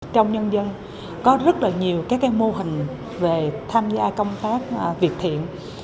trong nhân dân có rất nhiều mô hình về tham gia công tác việc thiện